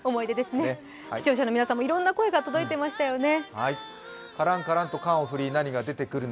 視聴者の皆さんもいろんな声が届いていましたよね。